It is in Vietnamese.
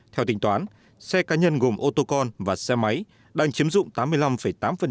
theo tính toán xe cá nhân gồm ô tô con và xe máy đang chiếm dụng tám mươi năm tám diện tích mặt đường